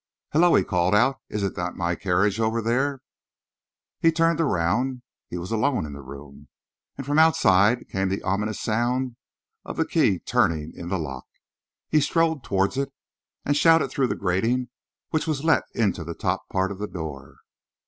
"Hullo," he called out, "isn't that my carriage over there?" He turned around. He was alone in the room, and from outside came the ominous sound of the key turning in the lock. He strode towards it and shouted through the grating which was let into the top part of the door.